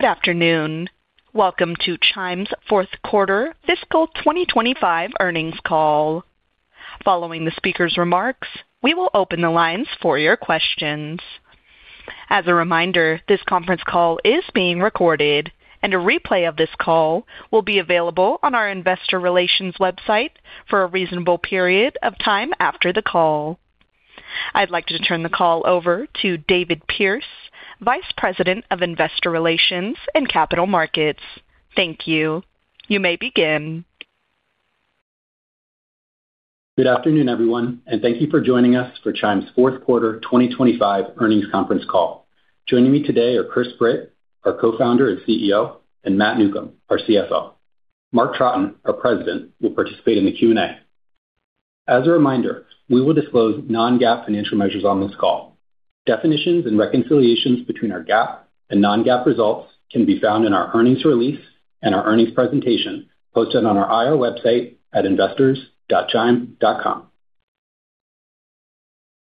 Good afternoon. Welcome to Chime's fourth quarter fiscal 2025 earnings call. Following the speaker's remarks, we will open the lines for your questions. As a reminder, this conference call is being recorded and a replay of this call will be available on our investor relations website for a reasonable period of time after the call. I'd like to turn the call over to David Pearce, Vice President of Investor Relations and Capital Markets. Thank you. You may begin. Good afternoon, everyone, and thank you for joining us for Chime's 4th quarter 2025 earnings conference call. Joining me today are Chris Britt, our Co-Founder and CEO, and Matt Newcomb, our CFO. Mark Troughton, our President, will participate in the Q&A. As a reminder, we will disclose non-GAAP financial measures on this call. Definitions and reconciliations between our GAAP and non-GAAP results can be found in our earnings release and our earnings presentation posted on our IR website at investors.chime.com.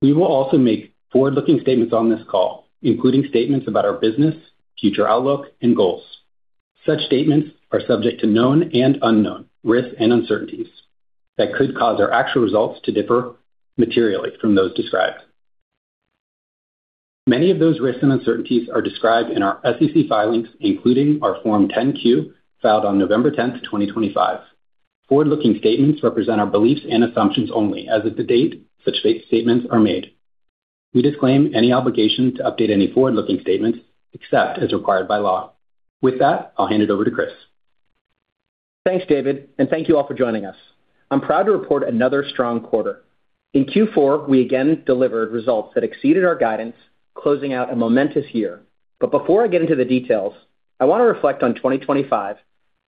We will also make forward-looking statements on this call, including statements about our business, future outlook, and goals. Such statements are subject to known and unknown risks and uncertainties that could cause our actual results to differ materially from those described. Many of those risks and uncertainties are described in our SEC filings, including our Form 10-Q, filed on November 10th, 2025. Forward-looking statements represent our beliefs and assumptions only as of the date such statements are made. We disclaim any obligation to update any forward-looking statements except as required by law. With that, I'll hand it over to Chris. Thanks, David, and thank you all for joining us. I'm proud to report another strong quarter. In Q4, we again delivered results that exceeded our guidance, closing out a momentous year. Before I get into the details, I want to reflect on 2025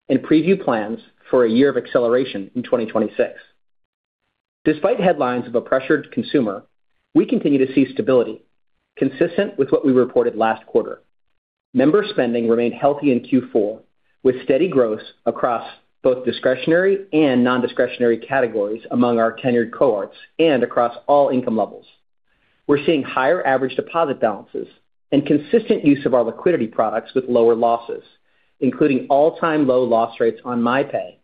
and preview plans for a year of acceleration in 2026. Despite headlines of a pressured consumer, we continue to see stability consistent with what we reported last quarter. Member spending remained healthy in Q4, with steady growth across both discretionary and non-discretionary categories among our tenured cohorts and across all income levels. We're seeing higher average deposit balances and consistent use of our liquidity products with lower losses, including all-time low loss rates on MyPay,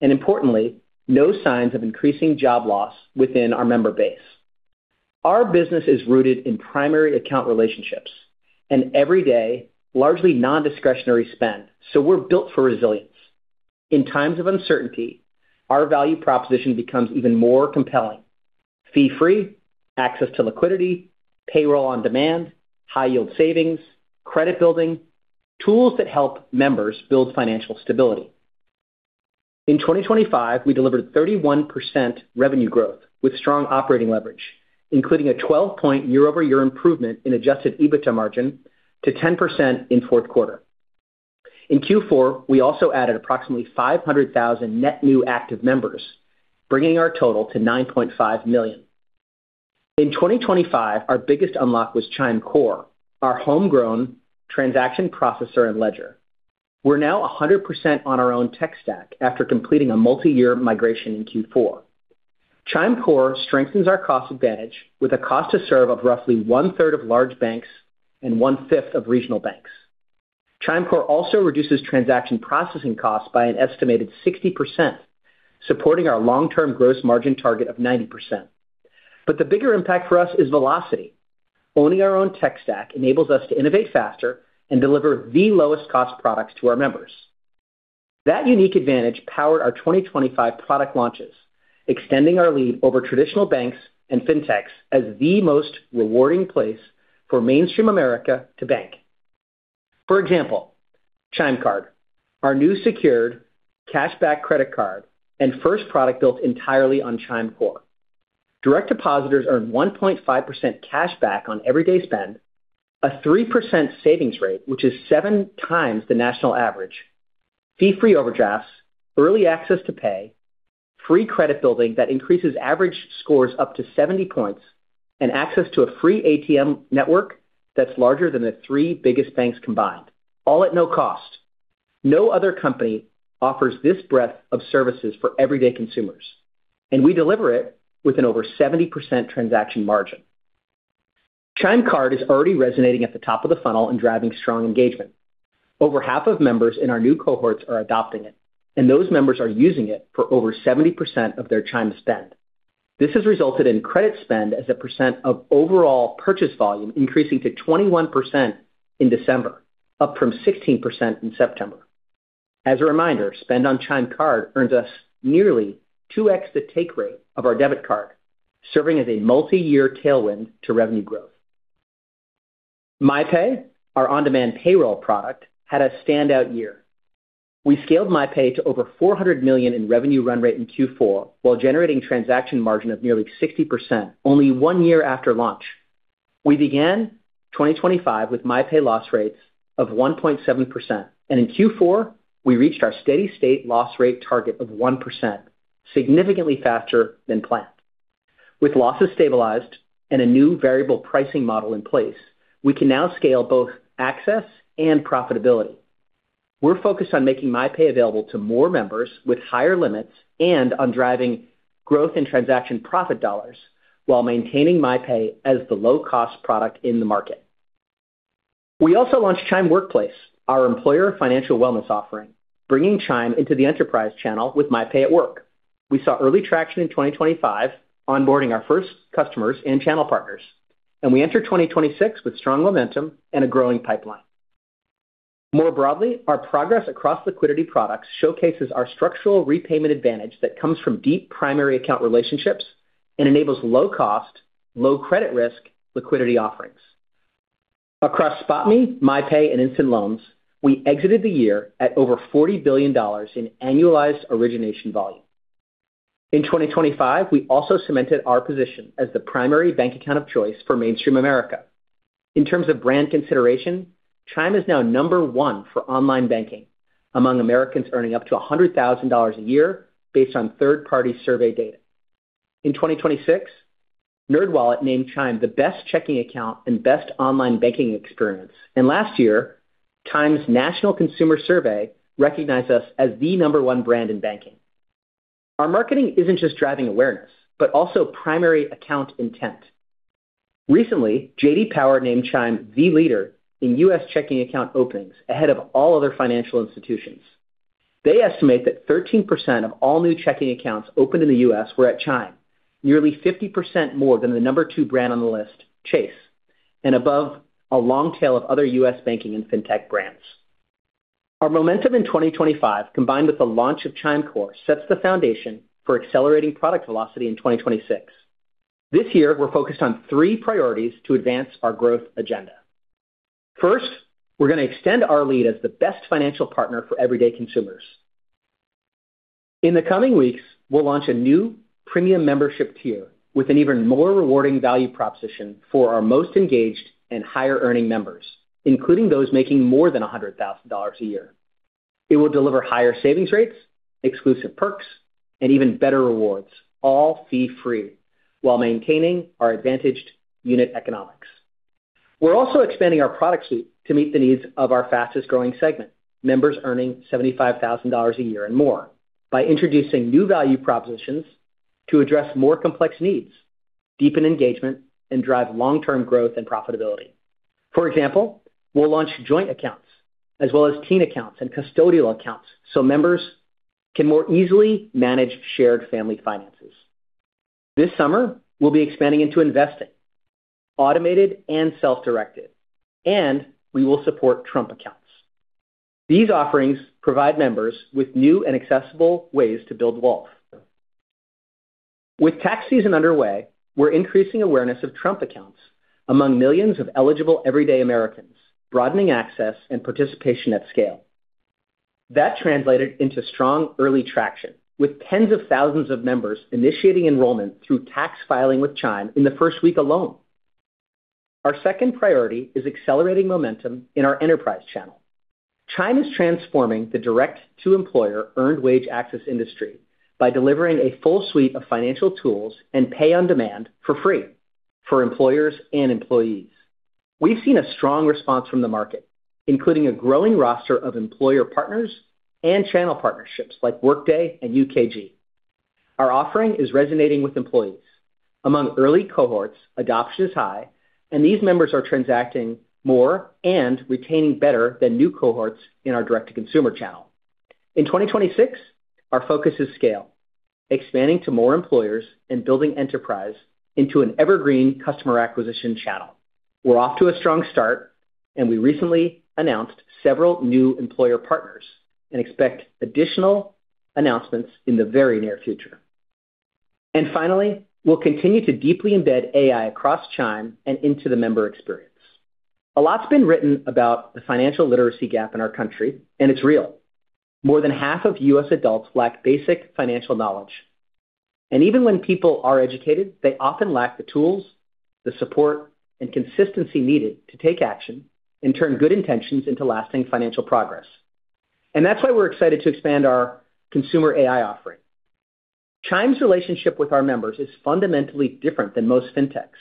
and importantly, no signs of increasing job loss within our member base. Our business is rooted in primary account relationships and every day, largely non-discretionary spend, we're built for resilience. In times of uncertainty, our value proposition becomes even more compelling. Fee-free access to liquidity, payroll on demand, high-yield savings, credit building, tools that help members build financial stability. In 2025, we delivered 31% revenue growth with strong operating leverage, including a 12-point year-over-year improvement in Adjusted EBITDA margin to 10% in fourth quarter. In Q4, we also added approximately 500,000 net new active members, bringing our total to 9.5 million. In 2025, our biggest unlock was Chime Core, our homegrown transaction processor and ledger. We're now 100% on our own tech stack after completing a multi-year migration in Q4. Chime Core strengthens our cost advantage with a cost to serve of roughly 1/3 of large banks and 1/5 of regional banks. Chime Core also reduces transaction processing costs by an estimated 60%, supporting our long-term gross margin target of 90%. The bigger impact for us is velocity. Owning our own tech stack enables us to innovate faster and deliver the lowest-cost products to our members. That unique advantage powered our 2025 product launches, extending our lead over traditional banks and fintechs as the most rewarding place for mainstream America to bank. For example, Chime Card, our new secured cashback credit card and first product built entirely on Chime Core. Direct depositors earn 1.5% cashback on everyday spend, a 3% savings rate, which is 7x the national average. Fee-free overdrafts, early access to pay, free credit building that increases average scores up to 70 points, and access to a free ATM network that's larger than the three biggest banks combined, all at no cost. No other company offers this breadth of services for everyday consumers, and we deliver it with an over 70% transaction margin. Chime Card is already resonating at the top of the funnel and driving strong engagement. Over half of members in our new cohorts are adopting it, and those members are using it for over 70% of their Chime spend. This has resulted in credit spend as a percent of overall purchase volume, increasing to 21% in December, up from 16% in September. As a reminder, spend on Chime Card earns us nearly 2x the take rate of our debit card, serving as a multi-year tailwind to revenue growth. MyPay, our on-demand payroll product, had a standout year. We scaled MyPay to over $400 million in revenue run rate in Q4, while generating transaction margin of nearly 60% only one year after launch. We began 2025 with MyPay loss rates of 1.7%, and in Q4, we reached our steady-state loss rate target of 1%, significantly faster than planned. With losses stabilized and a new variable pricing model in place, we can now scale both access and profitability.... We're focused on making MyPay available to more members with higher limits and on driving growth in transaction profit dollars, while maintaining MyPay as the low-cost product in the market. We also launched Chime Workplace, our employer financial wellness offering, bringing Chime into the enterprise channel with MyPay at work. We saw early traction in 2025, onboarding our first customers and channel partners. We entered 2026 with strong momentum and a growing pipeline. More broadly, our progress across liquidity products showcases our structural repayment advantage that comes from deep primary account relationships and enables low cost, low credit risk liquidity offerings. Across SpotMe, MyPay and Instant Loans, we exited the year at over $40 billion in annualized origination volume. In 2025, we also cemented our position as the primary bank account of choice for mainstream America. In terms of brand consideration, Chime is now number one for online banking among Americans earning up to $100,000 a year based on third-party survey data. In 2026, NerdWallet named Chime the best checking account and best online banking experience. Last year, Chime's National Consumer Survey recognized us as the number one brand in banking. Our marketing isn't just driving awareness, but also primary account intent. Recently, J.D. Power named Chime the leader in U.S. checking account openings, ahead of all other financial institutions. They estimate that 13% of all new checking accounts opened in the U.S. were at Chime, nearly 50% more than the number two brand on the list, Chase, and above a long tail of other U.S. banking and fintech brands. Our momentum in 2025, combined with the launch of Chime Core, sets the foundation for accelerating product velocity in 2026. This year, we're focused on three priorities to advance our growth agenda. First, we're going to extend our lead as the best financial partner for everyday consumers. In the coming weeks, we'll launch a new premium membership tier with an even more rewarding value proposition for our most engaged and higher-earning members, including those making more than $100,000 a year. It will deliver higher savings rates, exclusive perks, and even better rewards, all fee-free, while maintaining our advantaged unit economics. We're also expanding our product suite to meet the needs of our fastest-growing segment, members earning $75,000 a year and more, by introducing new value propositions to address more complex needs, deepen engagement and drive long-term growth and profitability. We'll launch joint accounts as well as teen accounts and custodial accounts, so members can more easily manage shared family finances. This summer, we'll be expanding into investing, automated and self-directed, and we will support Trump Accounts. These offerings provide members with new and accessible ways to build wealth. With CAC season underway, we're increasing awareness of Trump Accounts among millions of eligible everyday Americans, broadening access and participation at scale. That translated into strong early traction, with tens of thousands of members initiating enrollment through CAC filing with Chime in the first week alone. Our second priority is accelerating momentum in our enterprise channel. Chime is transforming the direct-to-employer earned wage access industry by delivering a full suite of financial tools and pay on demand for free for employers and employees. We've seen a strong response from the market, including a growing roster of employer partners and channel partnerships like Workday and UKG. Our offering is resonating with employees. Among early cohorts, adoption is high, and these members are transacting more and retaining better than new cohorts in our direct-to-consumer channel. In 2026, our focus is scale, expanding to more employers and building Chime Enterprise into an evergreen customer acquisition channel. We're off to a strong start, we recently announced several new employer partners and expect additional announcements in the very near future. Finally, we'll continue to deeply embed AI across Chime and into the member experience. A lot's been written about the financial literacy gap in our country, and it's real. More than half of U.S. adults lack basic financial knowledge, and even when people are educated, they often lack the tools, the support, and consistency needed to take action and turn good intentions into lasting financial progress. That's why we're excited to expand our consumer AI offering. Chime's relationship with our members is fundamentally different than most fintechs.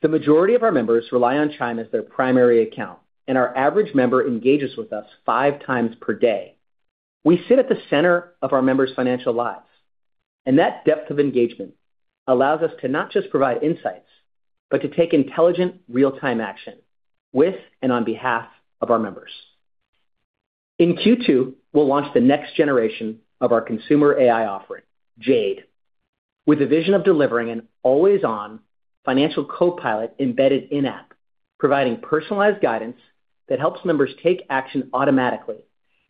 The majority of our members rely on Chime as their primary account, and our average member engages with us 5x per day. We sit at the center of our members' financial lives, and that depth of engagement allows us to not just provide insights, but to take intelligent, real-time action with and on behalf of our members. In Q2, we'll launch the next generation of our consumer AI offering, Jade, with a vision of delivering an always-on financial co-pilot embedded in-app, providing personalized guidance that helps members take action automatically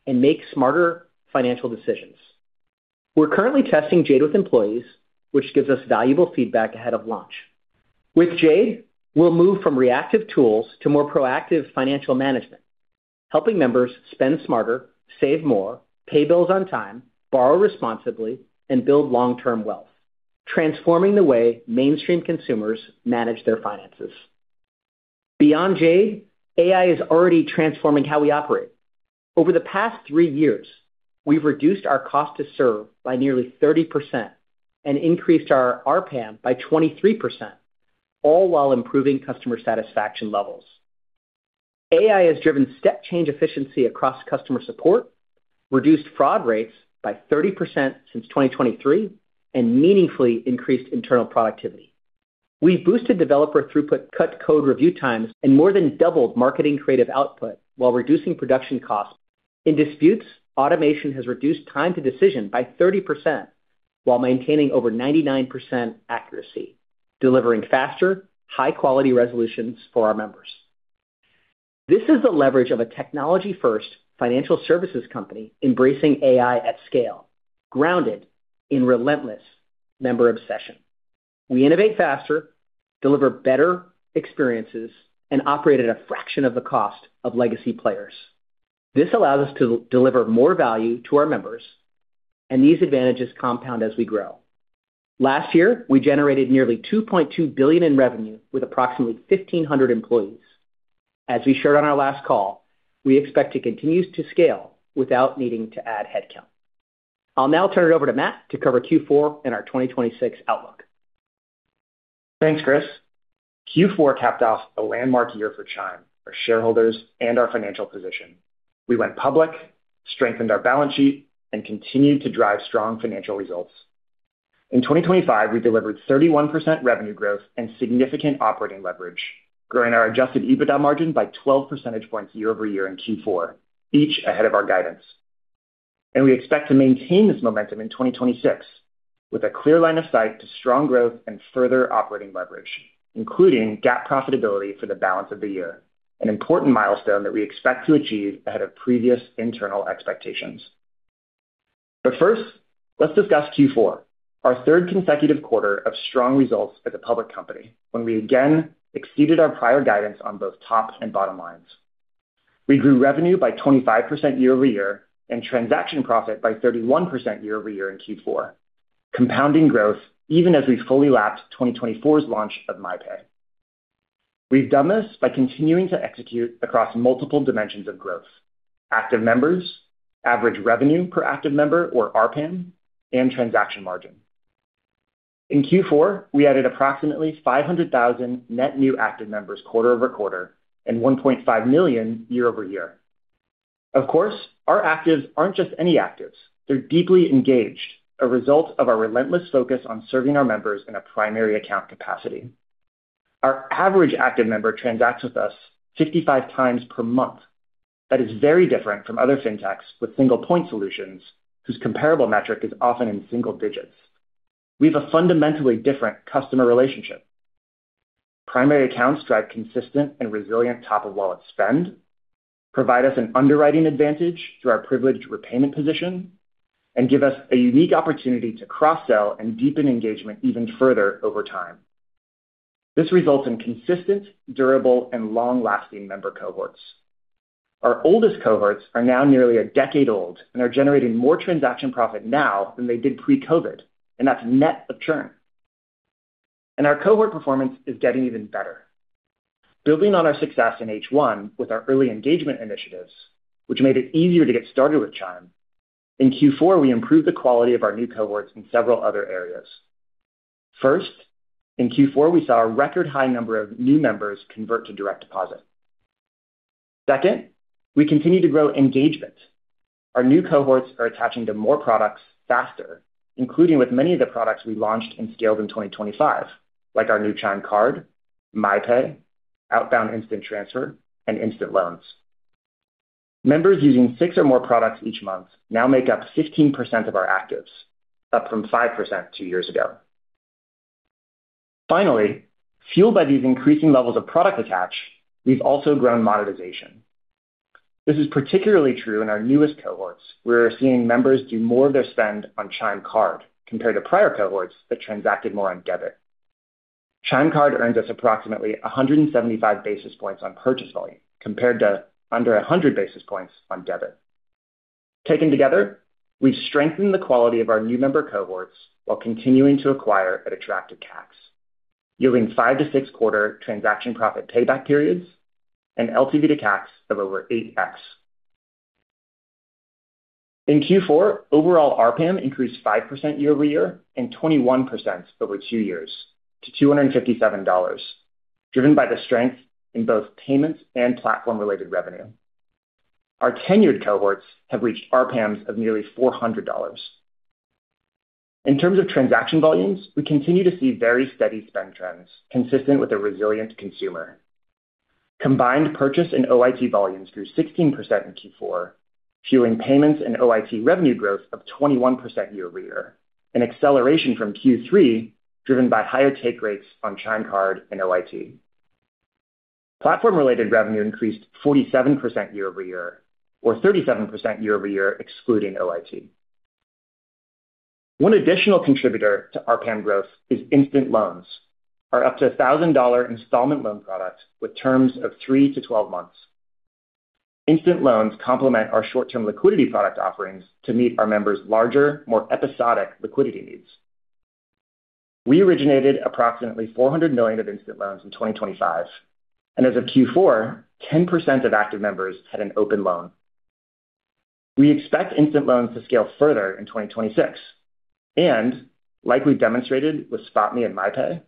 and make smarter financial decisions. We're currently testing Jade with employees, which gives us valuable feedback ahead of launch. With Jade, we'll move from reactive tools to more proactive financial management, helping members spend smarter, save more, pay bills on time, borrow responsibly, and build long-term wealth, transforming the way mainstream consumers manage their finances. Beyond Jade, AI is already transforming how we operate. Over the past three years, we've reduced our cost to serve by nearly 30% and increased our ARPA by 23% all while improving customer satisfaction levels. AI has driven step change efficiency across customer support, reduced fraud rates by 30% since 2023, and meaningfully increased internal productivity. We've boosted developer throughput, cut code review times, and more than doubled marketing creative output while reducing production costs. In disputes, automation has reduced time to decision by 30% while maintaining over 99% accuracy, delivering faster, high-quality resolutions for our members. This is the leverage of a technology-first financial services company embracing AI at scale, grounded in relentless member obsession. We innovate faster, deliver better experiences, and operate at a fraction of the cost of legacy players. This allows us to deliver more value to our members, and these advantages compound as we grow. Last year, we generated nearly $2.2 billion in revenue with approximately 1,500 employees. As we shared on our last call, we expect to continue to scale without needing to add headcount. I'll now turn it over to Matt to cover Q4 and our 2026 outlook. Thanks, Chris. Q4 capped off a landmark year for Chime, our shareholders, our financial position. We went public, strengthened our balance sheet, continued to drive strong financial results. In 2025, we delivered 31% revenue growth and significant operating leverage, growing our Adjusted EBITDA margin by 12 percentage points year-over-year in Q4, each ahead of our guidance. We expect to maintain this momentum in 2026, with a clear line of sight to strong growth and further operating leverage, including GAAP profitability for the balance of the year, an important milestone that we expect to achieve ahead of previous internal expectations. First, let's discuss Q4, our third consecutive quarter of strong results as a public company, when we again exceeded our prior guidance on both top and bottom lines. We grew revenue by 25% year-over-year, and transaction profit by 31% year-over-year in Q4, compounding growth even as we fully lapsed 2024's launch of MyPay. We've done this by continuing to execute across multiple dimensions of growth: active members, average revenue per active member, or ARPAN, and transaction margin. In Q4, we added approximately 500,000 net new active members quarter-over-quarter, and 1.5 million year-over-year. Of course, our actives aren't just any actives. They're deeply engaged, a result of our relentless focus on serving our members in a primary account capacity. Our average active member transacts with us 55x per month. That is very different from other fintechs with single-point solutions, whose comparable metric is often in single digits. We have a fundamentally different customer relationship. Primary accounts drive consistent and resilient top-of-wallet spend, provide us an underwriting advantage through our privileged repayment position, and give us a unique opportunity to cross-sell and deepen engagement even further over time. This results in consistent, durable, and long-lasting member cohorts. Our oldest cohorts are now nearly a decade old and are generating more transaction profit now than they did pre-COVID, and that's net of churn. Our cohort performance is getting even better. Building on our success in H1 with our early engagement initiatives, which made it easier to get started with Chime, in Q4, we improved the quality of our new cohorts in several other areas. First, in Q4, we saw a record high number of new members convert to direct deposit. Second, we continued to grow engagement. Our new cohorts are attaching to more products faster, including with many of the products we launched and scaled in 2025, like our new Chime Card, MyPay, outbound instant transfer, and Instant Loans. Members using six or more products each month now make up 15% of our actives, up from 5% two years ago. Fueled by these increasing levels of product attach, we've also grown monetization. This is particularly true in our newest cohorts. We're seeing members do more of their spend on Chime Card compared to prior cohorts that transacted more on debit. Chime Card earns us approximately 175 basis points on purchase volume, compared to under 100 basis points on debit. Taken together, we've strengthened the quality of our new member cohorts while continuing to acquire at attractive CAC, yielding five to six quarter transaction profit payback periods and LTV to CAC of over 8x. In Q4, overall, ARPAN increased 5% year-over-year and 21% over two years to $257, driven by the strength in both payments and platform-related revenue. Our tenured cohorts have reached ARPANs of nearly $400. In terms of transaction volumes, we continue to see very steady spend trends, consistent with a resilient consumer. Combined purchase and OIT volumes grew 16% in Q4, fueling payments and OIT revenue growth of 21% year-over-year, an acceleration from Q3, driven by higher take rates on Chime Card and OIT. Platform-related revenue increased 47% year-over-year or 37% year-over-year, excluding OIT. One additional contributor to ARPAN growth is Instant Loans, our up to a $1,000 installment loan product with terms of three to 12 months. Instant Loans complement our short-term liquidity product offerings to meet our members' larger, more episodic liquidity needs. We originated approximately $400 million of Instant Loans in 2025, and as of Q4, 10% of active members had an open loan. We expect Instant Loans to scale further in 2026, and like we've demonstrated with SpotMe and MyPay,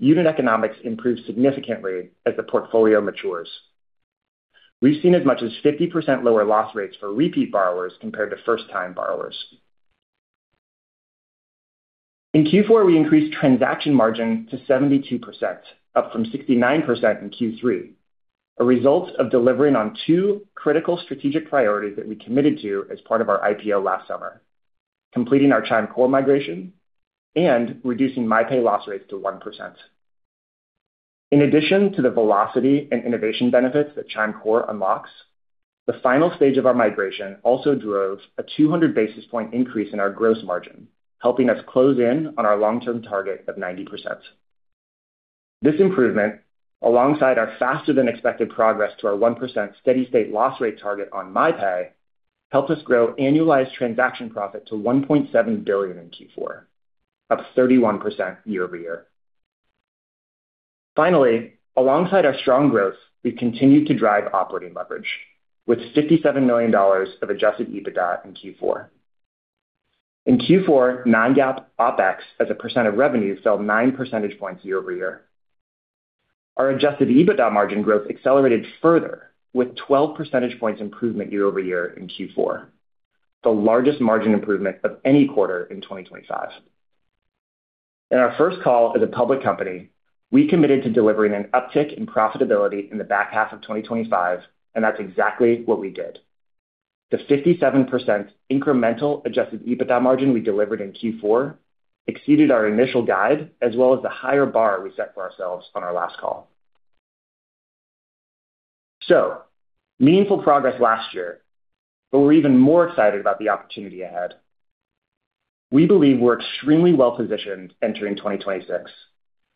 unit economics improve significantly as the portfolio matures. We've seen as much as 50% lower loss rates for repeat borrowers compared to first-time borrowers. In Q4, we increased transaction margin to 72%, up from 69% in Q3, a result of delivering on two critical strategic priorities that we committed to as part of our IPO last summer, completing our Chime Core migration and reducing MyPay loss rates to 1%. In addition to the velocity and innovation benefits that Chime Core unlocks, the final stage of our migration also drove a 200 basis point increase in our gross margin, helping us close in on our long-term target of 90%. This improvement, alongside our faster than expected progress to our 1% steady state loss rate target on MyPay, helped us grow annualized transaction profit to $1.7 billion in Q4, up 31% year-over-year. Alongside our strong growth, we've continued to drive operating leverage with $57 million of Adjusted EBITDA in Q4. In Q4, non-GAAP OpEx, as a percent of revenue, fell 9 percentage points year-over-year. Our Adjusted EBITDA margin growth accelerated further with 12 percentage points improvement year-over-year in Q4, the largest margin improvement of any quarter in 2025. In our first call as a public company, we committed to delivering an uptick in profitability in the back half of 2025. That's exactly what we did. The 57% incremental Adjusted EBITDA margin we delivered in Q4 exceeded our initial guide, as well as the higher bar we set for ourselves on our last call. Meaningful progress last year, but we're even more excited about the opportunity ahead. We believe we're extremely well-positioned entering 2026,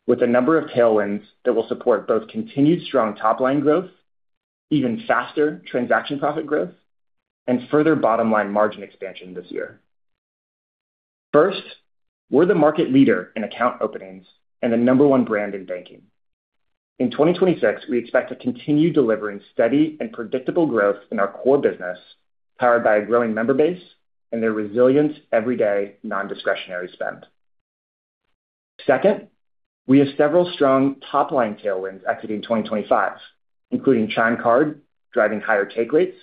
with a number of tailwinds that will support both continued strong top line growth, even faster transaction profit growth, and further bottom line margin expansion this year. First, we're the market leader in account openings and the number one brand in banking. In 2026, we expect to continue delivering steady and predictable growth in our core business, powered by a growing member base and their resilience every day, non-discretionary spend. Second, we have several strong top-line tailwinds exiting 2025, including Chime Card, driving higher take rates,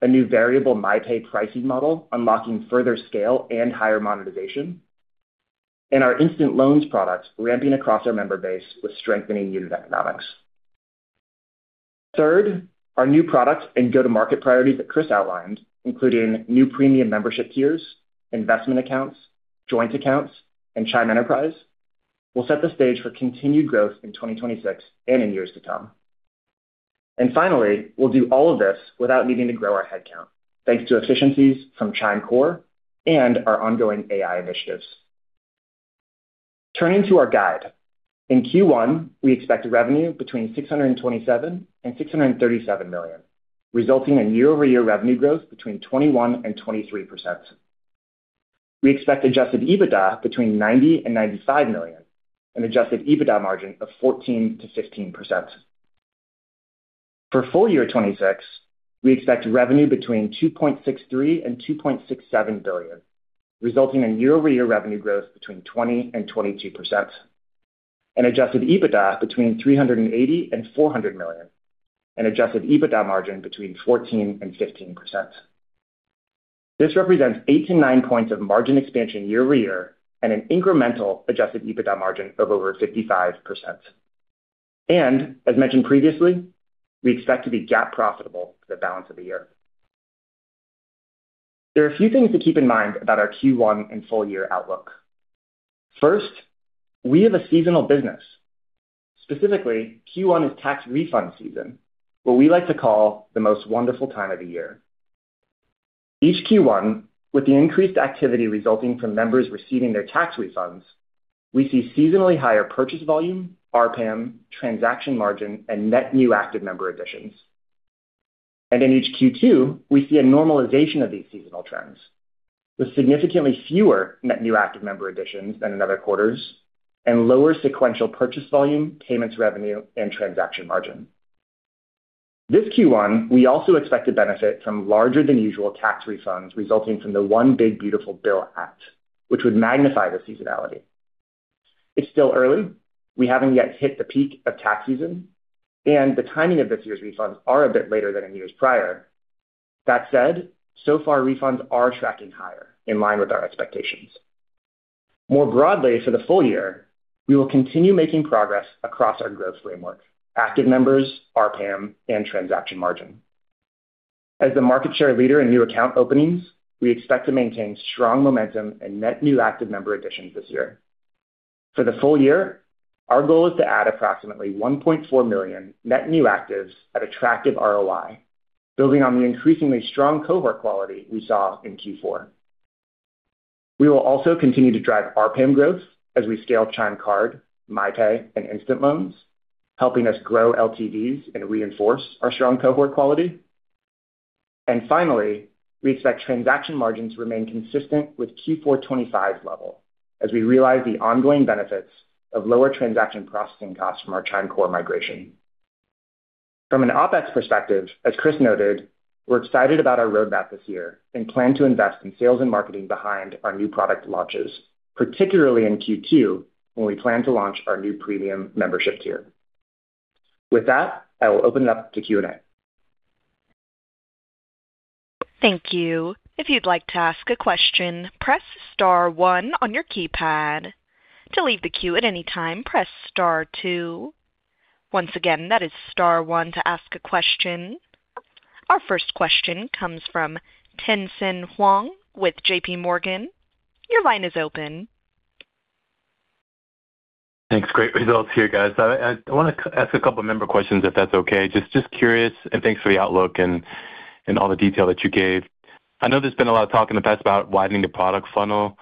a new variable MyPay pricing model, unlocking further scale and higher monetization, and our Instant Loans products ramping across our member base with strengthening unit economics. Third, our new products and go-to-market priorities that Chris outlined, including new premium membership tiers, investment accounts, joint accounts, and Chime Enterprise, will set the stage for continued growth in 2026 and in years to come. Finally, we'll do all of this without needing to grow our headcount, thanks to efficiencies from Chime Core and our ongoing AI initiatives. Turning to our guide. In Q1, we expect revenue between $627 million-$637 million, resulting in year-over-year revenue growth between 21%-23%. We expect Adjusted EBITDA between $90 million-$95 million, an Adjusted EBITDA margin of 14%-16%. For full year 2026, we expect revenue between $2.63 billion-$2.67 billion, resulting in year-over-year revenue growth between 20%-22%, and Adjusted EBITDA between $380 million-$400 million, an Adjusted EBITDA margin between 14%-15%. This represents 8-9 points of margin expansion year-over-year and an incremental Adjusted EBITDA margin of over 55%. As mentioned previously, we expect to be GAAP profitable for the balance of the year. There are a few things to keep in mind about our Q1 and full year outlook. First, we have a seasonal business. Specifically, Q1 is CAC refund season, what we like to call the most wonderful time of the year. Each Q1, with the increased activity resulting from members receiving their CAC refunds, we see seasonally higher purchase volume, ARPAN, transaction margin, and net new active member additions. In each Q2, we see a normalization of these seasonal trends, with significantly fewer net new active member additions than in other quarters and lower sequential purchase volume, payments revenue, and transaction margin. This Q1, we also expect to benefit from larger than usual CAC refunds resulting from the One Big Beautiful Bill Act, which would magnify the seasonality. It's still early. We haven't yet hit the peak of CAC season. The timing of this year's refunds are a bit later than in years prior. That said, so far, refunds are tracking higher in line with our expectations. More broadly, for the full year, we will continue making progress across our growth framework, active members, ARPAN, and transaction margin. As the market share leader in new account openings, we expect to maintain strong momentum and net new active member additions this year. For the full year, our goal is to add approximately 1.4 million net new actives at attractive ROI, building on the increasingly strong cohort quality we saw in Q4. We will also continue to drive ARPAN growth as we scale Chime Card, MyPay, and Instant Loans, helping us grow LTVs and reinforce our strong cohort quality. Finally, we expect transaction margins to remain consistent with Q4 2025's level as we realize the ongoing benefits of lower transaction processing costs from our Chime Core migration. From an OpEx perspective, as Chris noted, we're excited about our roadmap this year and plan to invest in sales and marketing behind our new product launches, particularly in Q2, when we plan to launch our new premium membership tier. I will open it up to Q&A. Thank you. If you'd like to ask a question, press star one on your keypad. To leave the queue at any time, press star two. Once again, that is star one to ask a question. Our first question comes from Tien-tsin Huang with JPMorgan. Your line is open. Thanks. Great results here, guys. I want to ask a couple of member questions, if that's okay. Just curious, and thanks for the outlook and all the detail that you gave. I know there's been a lot of talk in the past about widening the product funnel.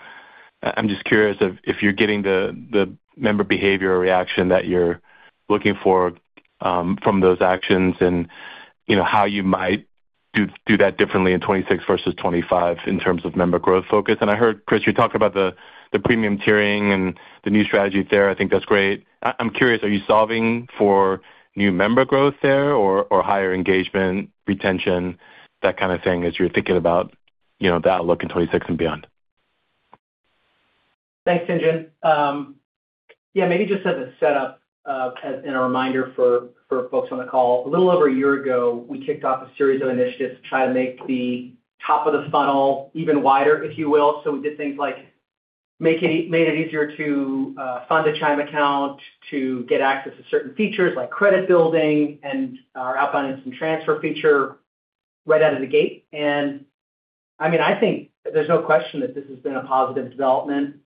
I'm just curious if you're getting the member behavior or reaction that you're looking for from those actions and, you know, how you might do that differently in 2026 versus 2025 in terms of member growth focus. I heard Chris, you talk about the premium tiering and the new strategies there. I think that's great. I'm curious, are you solving for new member growth there or higher engagement, retention, that kind of thing, as you're thinking about, you know, the outlook in 2026 and beyond? Thanks, Tien-tsin. Yeah, maybe just as a setup, and a reminder for folks on the call. A little over a year ago, we kicked off a series of initiatives to try to make the top of the funnel even wider, if you will. We did things like made it easier to fund a Chime account, to get access to certain features like credit building and our outbound instant transfer feature right out of the gate. I mean, I think there's no question that this has been a positive development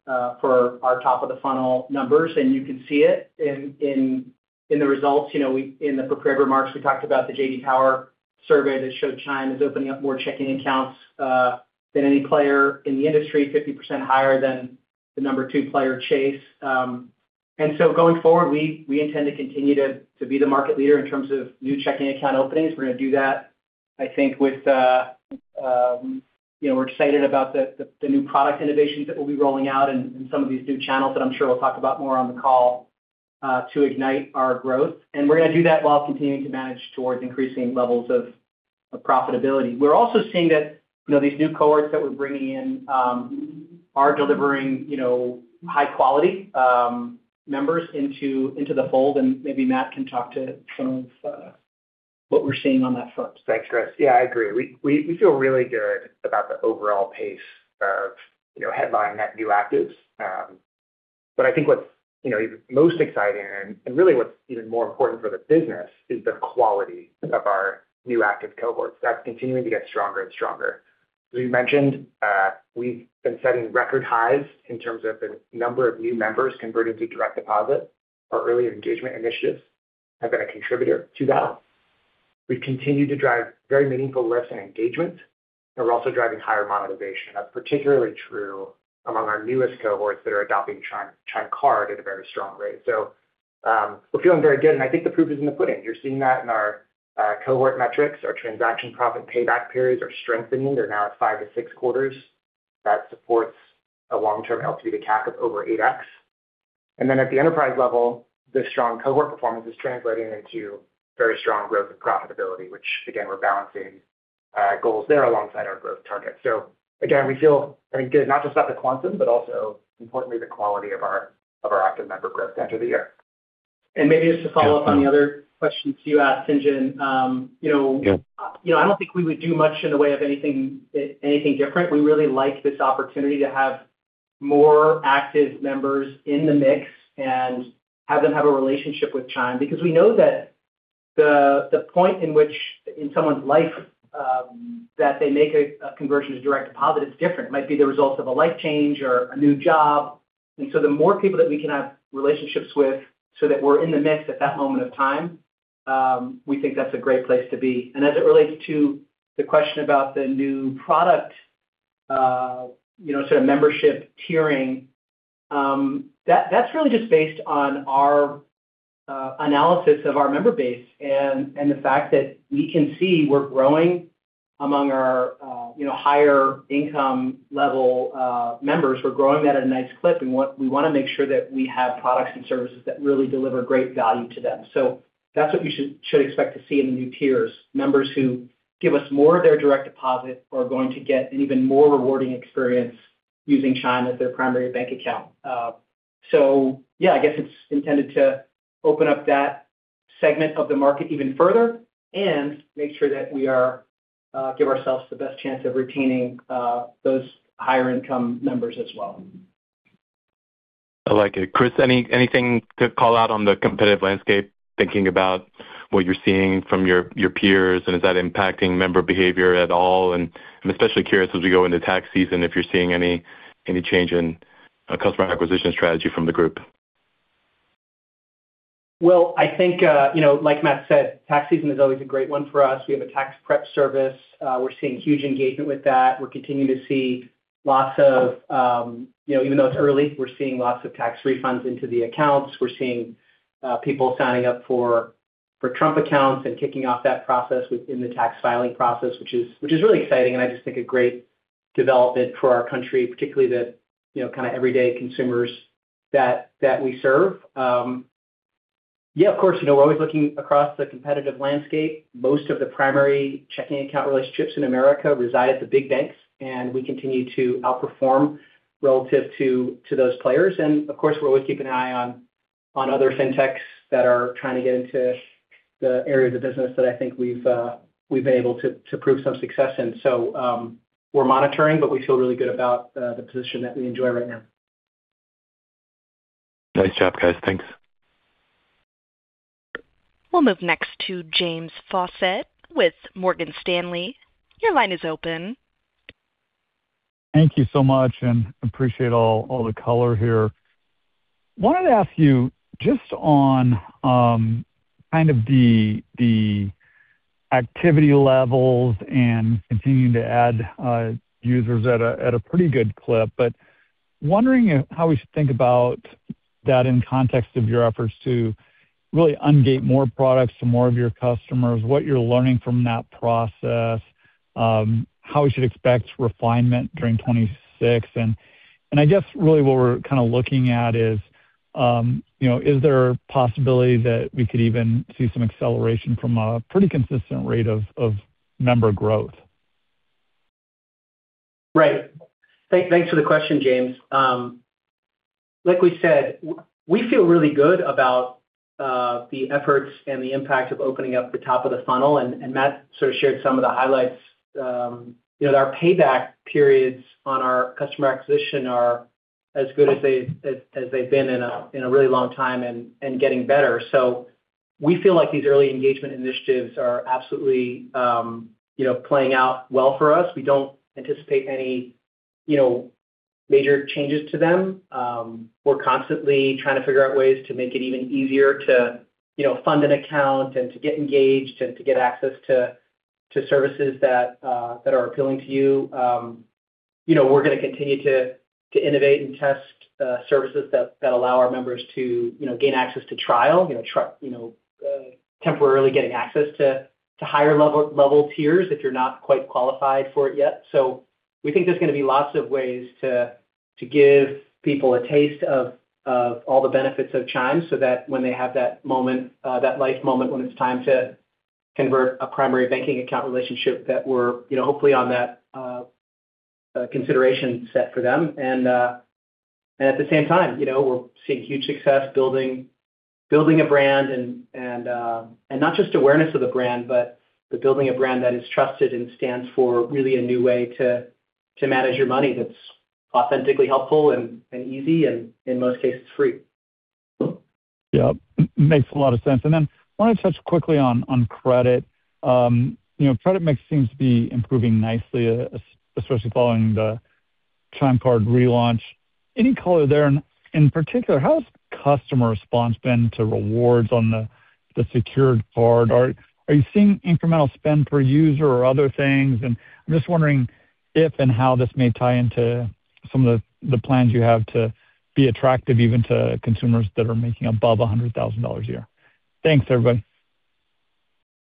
for our top of the funnel numbers, and you can see it in the results. You know, we, in the prepared remarks, we talked about the J.D. Power. Power survey that showed Chime is opening up more checking accounts than any player in the industry, 50% higher than the number two player, Chase. Going forward, we intend to continue to be the market leader in terms of new checking account openings. We're going to do that, I think, with, you know, we're excited about the new product innovations that we'll be rolling out in some of these new channels that I'm sure we'll talk about more on the call to ignite our growth. We're going to do that while continuing to manage towards increasing levels of profitability. We're also seeing that, you know, these new cohorts that we're bringing in, are delivering, you know, high quality, members into the fold, and maybe Matt can talk to some of what we're seeing on that front. Thanks, Chris. Yeah, I agree. We feel really good about the overall pace of, you know, headline net new actives. I think what's, you know, even most exciting and really what's even more important for the business is the quality of our new active cohorts. That's continuing to get stronger and stronger. As we mentioned, we've been setting record highs in terms of the number of new members converted to direct deposit. Our early engagement initiatives have been a contributor to that. We've continued to drive very meaningful lifts and engagement, and we're also driving higher monetization. That's particularly true among our newest cohorts that are adopting Chime Card at a very strong rate. We're feeling very good, and I think the proof is in the pudding. You're seeing that in our cohort metrics. Our transaction profit payback periods are strengthening. They're now at five to six quarters. That supports a long-term LTV to CAPEX of over 8x. At the enterprise level, the strong cohort performance is translating into very strong growth and profitability, which again, we're balancing goals there alongside our growth targets. Again, we feel very good, not just about the quantum, but also importantly, the quality of our active member growth to end of the year. Maybe just to follow up on the other questions you asked, Tien-tsin. you know. Yeah. You know, I don't think we would do much in the way of anything different. We really like this opportunity to have more active members in the mix and have them have a relationship with Chime, because we know that the point in which in someone's life, that they make a conversion to direct deposit is different, might be the result of a life change or a new job. The more people that we can have relationships with so that we're in the mix at that moment of time, we think that's a great place to be. As it relates to the question about the new product, you know, sort of membership tiering, that's really just based on our analysis of our member base and the fact that we can see we're growing among our you know, higher income level members. We're growing that at a nice clip, and we want to make sure that we have products and services that really deliver great value to them. That's what you should expect to see in the new tiers. Members who give us more of their direct deposit are going to get an even more rewarding experience using Chime as their primary bank account. Yeah, I guess it's intended to open up that segment of the market even further and make sure that we are, give ourselves the best chance of retaining, those higher income members as well. I like it. Chris, anything to call out on the competitive landscape, thinking about what you're seeing from your peers, and is that impacting member behavior at all? I'm especially curious, as we go into CAC season, if you're seeing any change in customer acquisition strategy from the group. I think, you know, like Matt said, CAC season is always a great one for us. We have a CAC prep service. We're seeing huge engagement with that. We're continuing to see lots of, you know, even though it's early, we're seeing lots of CAC refunds into the accounts. We're seeing people signing up for Trump Accounts and kicking off that process within the CAC filing process, which is really exciting, and I just think a great development for our country, particularly the, you know, kind of everyday consumers that we serve. Of course, you know, we're always looking across the competitive landscape. Most of the primary checking account relationships in America reside at the big banks. We continue to outperform relative to those players. Of course, we're always keeping an eye on other fintechs that are trying to get into the areas of business that I think we've been able to prove some success in. We're monitoring, but we feel really good about the position that we enjoy right now. Nice job, guys. Thanks. We'll move next to James Faucette with Morgan Stanley. Your line is open. Thank you so much. Appreciate all the color here. Wanted to ask you just on kind of the activity levels and continuing to add users at a pretty good clip. Wondering how we should think about that in context of your efforts to really ungate more products to more of your customers, what you're learning from that process, how we should expect refinement during 2026. I guess really what we're kind of looking at is, you know, is there a possibility that we could even see some acceleration from a pretty consistent rate of member growth? Right. Thanks for the question, James. Like we said, we feel really good about the efforts and the impact of opening up the top of the funnel, and Matt sort of shared some of the highlights. You know, our payback periods on our customer acquisition are as good as they've been in a really long time and getting better. We feel like these early engagement initiatives are absolutely, you know, playing out well for us. We don't anticipate any, you know, major changes to them. We're constantly trying to figure out ways to make it even easier to, you know, fund an account and to get engaged and to get access to services that are appealing to you. you know, we're going to continue to innovate and test services that allow our members to, you know, gain access to trial, try, temporarily getting access to higher level tiers if you're not quite qualified for it yet. We think there's going to be lots of ways to give people a taste of all the benefits of Chime, so that when they have that moment, that life moment, when it's time to convert a primary banking account relationship, that we're, you know, hopefully on that consideration set for them. At the same time, you know, we're seeing huge success building a brand and not just awareness of the brand, but building a brand that is trusted and stands for really a new way to manage your money that's authentically helpful and easy and in most cases, free. Yeah, makes a lot of sense. Then wanted to touch quickly on credit. You know, credit mix seems to be improving nicely, especially following the Chime Card relaunch. Any color there? In particular, how has customer response been to rewards on the secured card? Are you seeing incremental spend per user or other things? I'm just wondering if and how this may tie into some of the plans you have to be attractive even to consumers that are making above $100,000 a year. Thanks, everybody.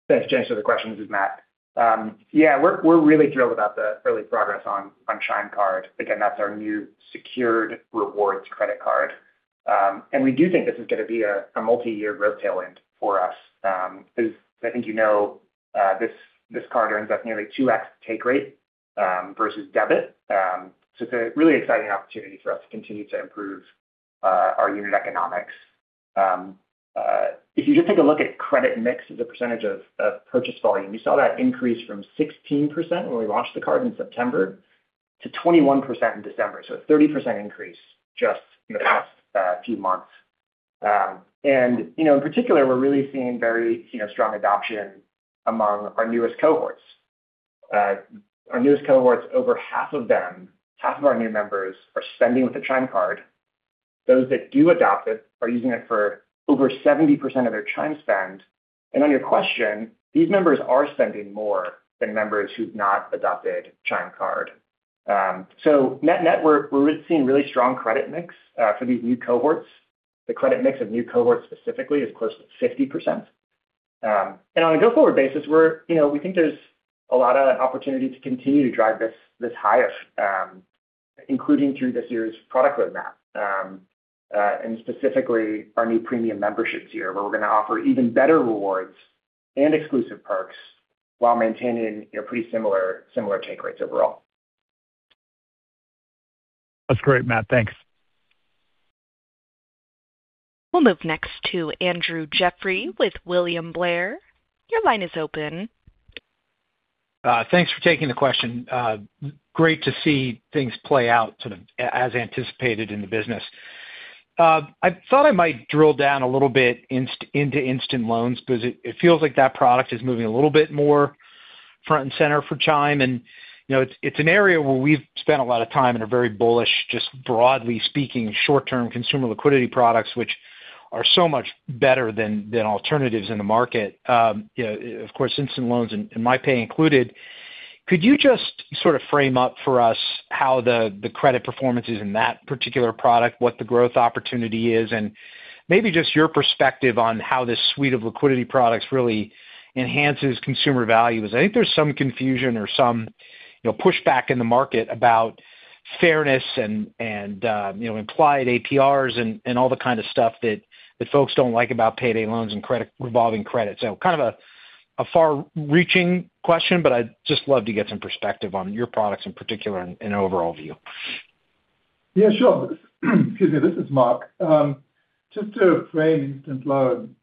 Thanks, James, for the question. This is Matt. Yeah, we're really thrilled about the early progress on Chime Card. Again, that's our new secured rewards credit card. We do think this is going to be a multi-year growth tailwind for us. Because I think, you know, this card earns us nearly 2x take rate versus debit. So it's a really exciting opportunity for us to continue to improve our unit economics. If you just take a look at credit mix as a percentage of purchase volume, we saw that increase from 16% when we launched the card in September to 21% in December. So a 30% increase just in the past few months. You know, in particular, we're really seeing very, you know, strong adoption among our newest cohorts. Our newest cohorts, over half of them, half of our new members are spending with the Chime Card. Those that do adopt it are using it for over 70% of their Chime spend. On your question, these members are spending more than members who've not adopted Chime Card. Net net, we're seeing really strong credit mix, for these new cohorts. The credit mix of new cohorts specifically is close to 50%. On a go-forward basis, we're, you know, we think there's a lot of opportunity to continue to drive this higher, including through this year's product roadmap, and specifically our new premium membership tier, where we're going to offer even better rewards and exclusive perks while maintaining, you know, pretty similar take rates overall. That's great, Matt. Thanks. We'll move next to Andrew Jeffrey with William Blair. Your line is open. Thanks for taking the question. Great to see things play out sort of as anticipated in the business. I thought I might drill down a little bit into Instant Loans, because it feels like that product is moving a little bit more front and center for Chime. You know, it's an area where we've spent a lot of time and are very bullish, just broadly speaking, short-term consumer liquidity products, which are so much better than alternatives in the market. You know, of course, Instant Loans and MyPay included. Could you just sort of frame up for us how the credit performance is in that particular product, what the growth opportunity is, and maybe just your perspective on how this suite of liquidity products really enhances consumer value. I think there's some confusion or some, you know, pushback in the market about fairness and, you know, implied APRs and all the kind of stuff that folks don't like about payday loans and revolving credit. Kind of a far-reaching question, but I'd just love to get some perspective on your products in particular and an overall view. Yeah, sure. Excuse me. This is Mark. Just to frame Instant Loan.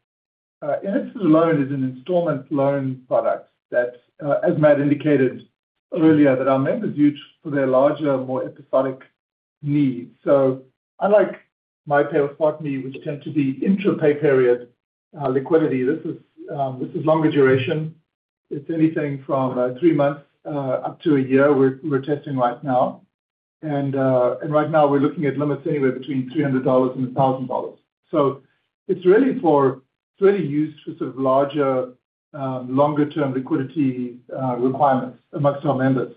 Instant Loan is an installment loan product that as Matt indicated earlier, that our members use for their larger, more episodic needs. Unlike MyPay or SpotMe, which tend to be intra-pay period liquidity, this is longer duration. It's anything from three months up to one year, we're testing right now. Right now, we're looking at limits anywhere between $300 and $1,000. It's really for, it's really used for sort of larger, longer-term liquidity requirements amongst our members.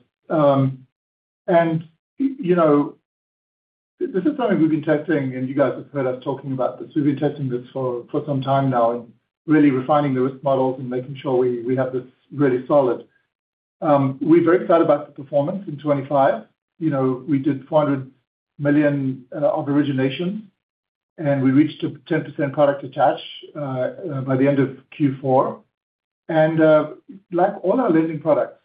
You know, this is something we've been testing, and you guys have heard us talking about this. We've been testing this for some time now and really refining the risk models and making sure we have this really solid. We're very excited about the performance in 2025. You know, we did $400 million of origination, and we reached a 10% product attach by the end of Q4. Like all our lending products,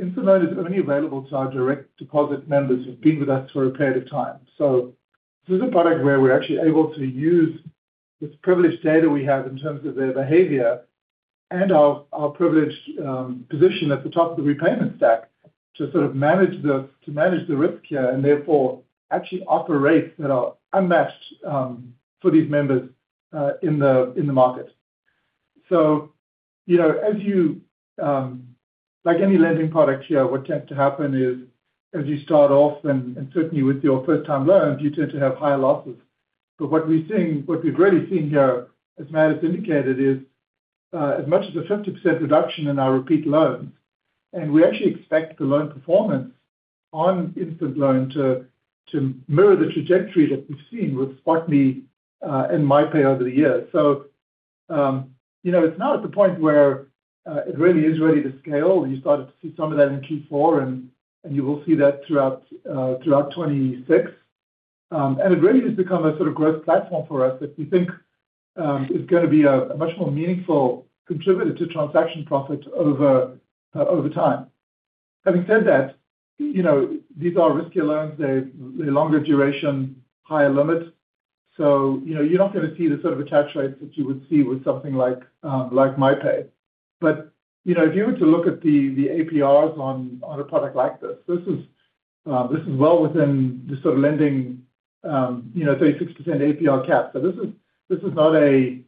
Instant Loan is only available to our direct deposit members who've been with us for a period of time. This is a product where we're actually able to use this privileged data we have in terms of their behavior and our privileged position at the top of the repayment stack, to sort of manage the risk here, and therefore, actually offer rates that are unmatched for these members in the market. You know, as you, like any lending product here, what tends to happen is as you start off, and certainly with your first-time loans, you tend to have higher losses. What we're seeing, what we've really seen here, as Matt has indicated, is as much as a 50% reduction in our repeat loans. We actually expect the loan performance on Instant Loan to mirror the trajectory that we've seen with SpotMe and MyPay over the years. You know, it's now at the point where it really is ready to scale. You started to see some of that in Q4, and you will see that throughout 2026. It really has become a sort of growth platform for us that we think is going to be a much more meaningful contributor to transaction profit over over time. Having said that, you know, these are riskier loans. They're longer duration, higher limits, you know, you're not going to see the sort of attach rates that you would see with something like MyPay. You know, if you were to look at the APRs on a product like this is well within the sort of lending, you know, 36% APR cap. This is, this is not a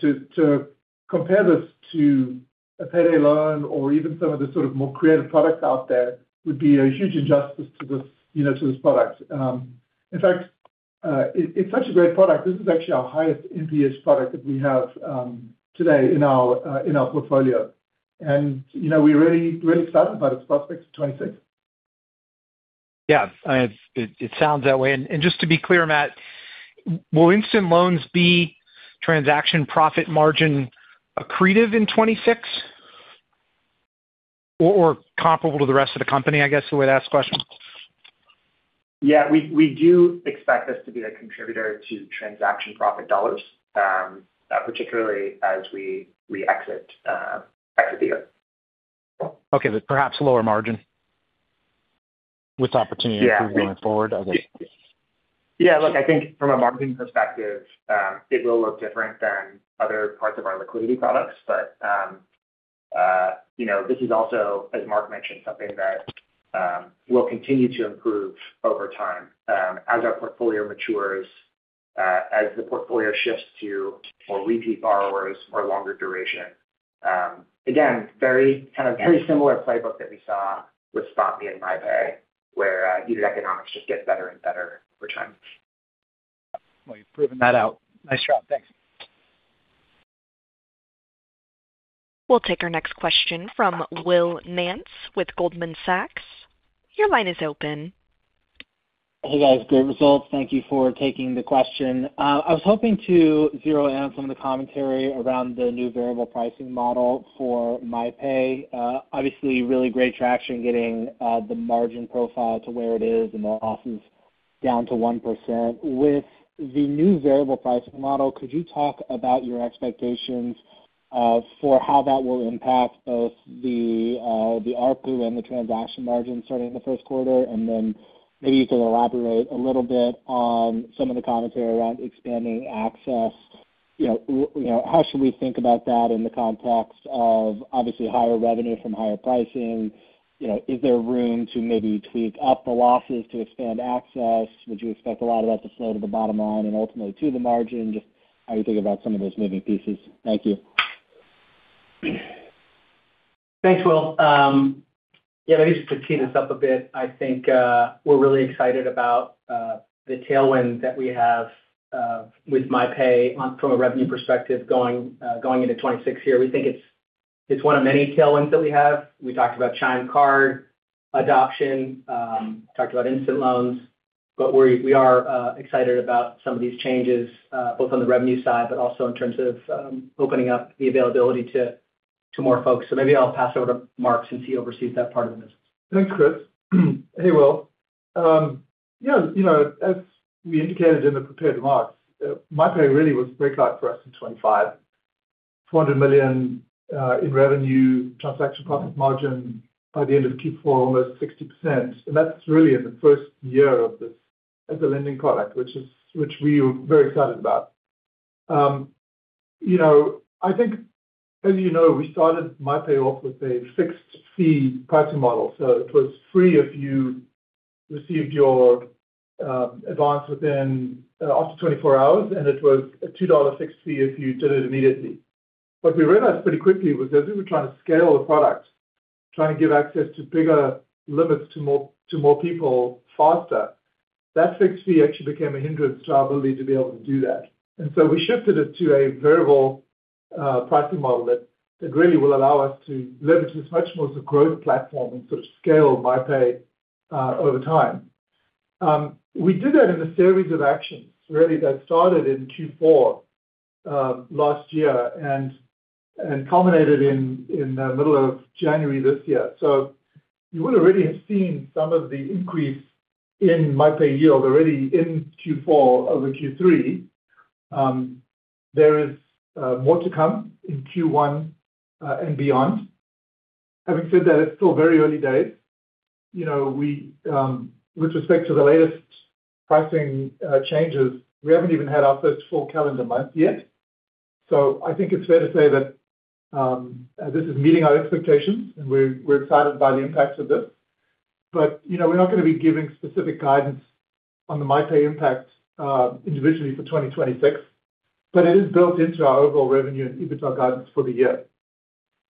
to compare this to a payday loan or even some of the sort of more creative products out there, would be a huge injustice to this, you know, to this product. In fact, it's such a great product. This is actually our highest NPH product that we have today in our portfolio. You know, we're really, really excited about its prospects in 2026. Yeah, it sounds that way. Just to be clear, Matt, will Instant Loans be transaction profit margin accretive in 2026? Or comparable to the rest of the company, I guess the way to ask the question. We do expect this to be a contributor to transaction profit dollars, particularly as we exit the year. Okay. Perhaps lower margin with opportunity- Yeah. to improve going forward? Okay. Look, I think from a margin perspective, it will look different than other parts of our liquidity products. You know, this is also, as Mark mentioned, something that will continue to improve over time, as our portfolio matures, as the portfolio shifts to more repeat borrowers or longer duration. Again, very kind of, very similar playbook that we saw with SpotMe and MyPay, where unit economics just get better and better over time. Well, you've proven that out. Nice job. Thanks. We'll take our next question from Will Nance with Goldman Sachs. Your line is open. Hey, guys, great results. Thank you for taking the question. I was hoping to zero in on some of the commentary around the new variable pricing model for MyPay. Obviously, really great traction getting the margin profile to where it is and the losses down to 1%. With the new variable pricing model, could you talk about your expectations for how that will impact both the ARPU and the transaction margin starting in the first quarter? Then maybe you can elaborate a little bit on some of the commentary around expanding access. You know, you know, how should we think about that in the context of obviously higher revenue from higher pricing? You know, is there room to maybe tweak up the losses to expand access? Would you expect a lot of that to flow to the bottom line and ultimately to the margin? Just how you think about some of those moving pieces. Thank you. Thanks, Will. Yeah, just to tee this up a bit, I think, we're really excited about.... the tailwind that we have with MyPay on from a revenue perspective going into 2026 here. We think it's one of many tailwinds that we have. We talked about Chime Card adoption, talked about Instant Loans, but we are excited about some of these changes, both on the revenue side, but also in terms of opening up the availability to more folks. Maybe I'll pass over to Mark since he oversees that part of the business. Thanks, Chris. Hey, Will. Yeah, you know, as we indicated in the prepared remarks, MyPay really was a breakout for us in 25. $400 million in revenue, transaction profit margin by the end of Q4, almost 60%. That's really in the first year of this as a lending product, which we are very excited about. You know, I think, as you know, we started MyPay off with a fixed fee pricing model. It was free if you received your advance within up to 24 hours, and it was a $2 fixed fee if you did it immediately. What we realized pretty quickly was as we were trying to scale the product, trying to give access to bigger limits to more people faster, that fixed fee actually became a hindrance to our ability to be able to do that. We shifted it to a variable pricing model that really will allow us to leverage this much more as a growth platform and sort of scale MyPay over time. We did that in a series of actions, really, that started in Q4 last year and culminated in the middle of January this year. You would already have seen some of the increase in MyPay yield already in Q4 over Q3. There is more to come in Q1 and beyond. Having said that, it's still very early days. You know, we, with respect to the latest pricing changes, we haven't even had our first full calendar month yet. I think it's fair to say that this is meeting our expectations, and we're excited by the impacts of this. You know, we're not going to be giving specific guidance on the MyPay impact individually for 2026, but it is built into our overall revenue and EBITDA guidance for the year.